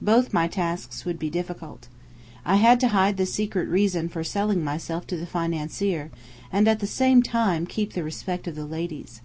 Both my tasks would be difficult. I had to hide the secret reason for selling myself to the financier, and at the same time keep the respect of the ladies.